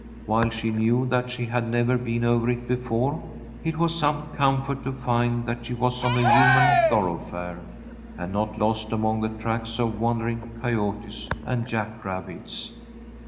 While she knew that she had never been over it before, it was some comfort to find that she was on a human thoroughfare, and not lost among the tracks of wandering coyotes and jack rabbits.